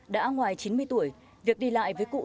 đã ngoài chín mươi tuổi việc đi lại với cụ